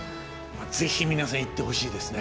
是非皆さん行ってほしいですね。